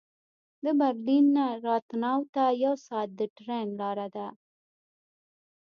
د برلین نه راتناو ته یو ساعت د ټرېن لاره ده